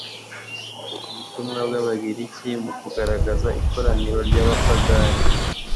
Ubutumwa bw'abagiriki mu kugaragaza ikoraniro ry'abapagani,